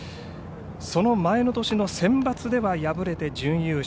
その前の年のセンバツでは敗れて準優勝。